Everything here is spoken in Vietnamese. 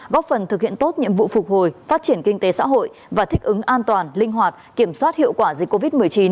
góp phần thực hiện tốt nhiệm vụ phục hồi phát triển kinh tế xã hội và thích ứng an toàn linh hoạt kiểm soát hiệu quả dịch covid một mươi chín